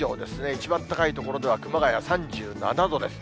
一番高い所では熊谷３７度です。